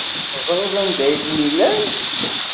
Teẓriḍ anda ay ten-ilan.